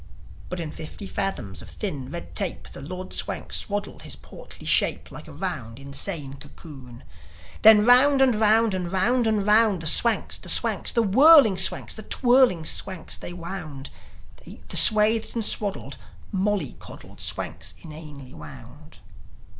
But in fifty fathoms of thin red tape The Lord Swank swaddled his portly shape, Like a large, insane cocoon. Then round and round and round and round. The Swanks, the Swanks, the whirling Swanks, The twirling Swanks they wound The swathed and swaddled, molly coddled Swanks inanely wound.